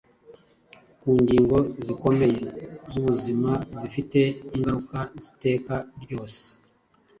ku ngingo zikomeye z’ubuzima zifite ingaruka z’iteka ryose,